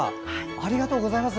ありがとうございます。